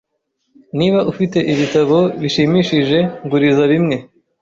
Niba ufite ibitabo bishimishije, nguriza bimwe.